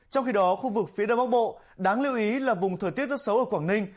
trong khi đó khu vực phía đông bắc bộ đáng lưu ý là vùng thời tiết rất xấu ở quảng ninh